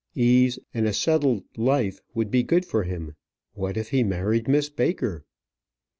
Ease and a settled life would be good for him. What, if he married Miss Baker!